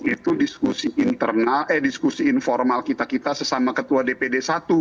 itu diskusi informal kita kita sesama ketua dpd satu